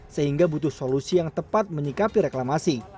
sehingga butuh solusi yang tepat menyikapi reklamasi